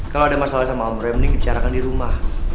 kalau ada masalah sama om remning bicarakan di rumah